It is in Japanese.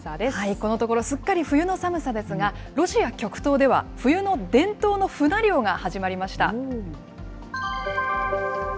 このところ、すっかり冬の寒さですが、ロシア極東では冬の伝統のフナ漁が始まりました。